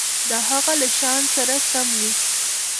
د هغه له شأن سره سم وي.